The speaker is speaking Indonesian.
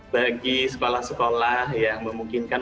bagi sekolah sekolah yang memungkinkan